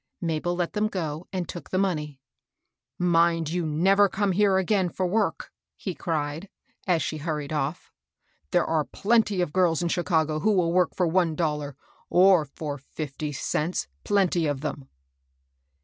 Mabel let them go and took the money. " Mind you never come here again for work I " 98 MABEL ROSS. he cried, as she hurried off. " There are plenty of girb in Chicago who will work for one dollar, or for fifty cents, — plenty of them."